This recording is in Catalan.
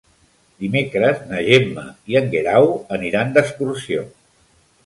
Dimecres na Gemma i en Guerau aniran d'excursió.